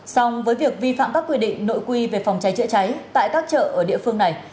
song với việc vi phạm các quy định nội quy về phòng cháy chữa cháy tại các chợ ở địa phương này